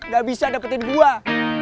gak bisa dapetin buah